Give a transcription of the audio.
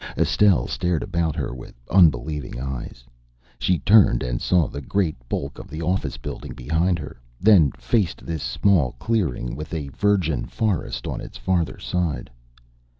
Estelle stared about her with unbelieving eyes. She turned and saw the great bulk of the office building behind her, then faced this small clearing with a virgin forest on its farther side.